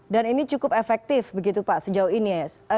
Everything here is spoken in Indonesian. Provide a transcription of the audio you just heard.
dan ini cukup efektif begitu pak sejauh ini ya